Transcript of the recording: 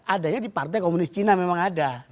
adanya di partai komunis cina memang ada